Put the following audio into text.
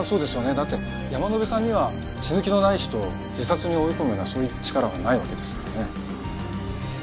だって山之辺さんには死ぬ気のない人を自殺に追い込むようなそういう力はないわけですからね。